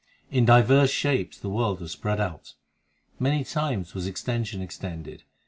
In divers shapes the world was spread out ; 2 Many times was extension extended.